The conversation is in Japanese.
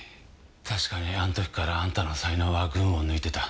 確かにあの時からあんたの才能は群を抜いてた。